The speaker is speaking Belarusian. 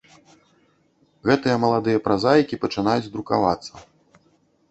Гэтыя маладыя празаікі пачынаюць друкавацца.